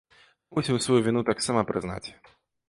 Мы мусім сваю віну таксама прызнаць.